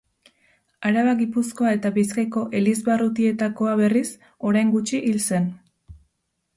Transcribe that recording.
Araba, Gipuzkoa eta Bizkaiko elizbarrutietakoa, berriz, orain gutxi hil zen.